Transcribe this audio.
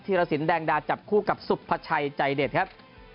รสินแดงดาจับคู่กับสุภาชัยใจเด็ดครับ